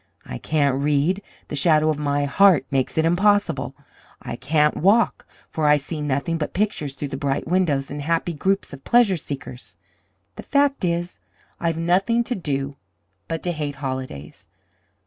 I can't read the shadow of my heart makes it impossible. I can't walk for I see nothing but pictures through the bright windows, and happy groups of pleasure seekers. The fact is, I've nothing to do but to hate holidays.